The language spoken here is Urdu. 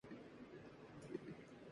یے نمازی ہے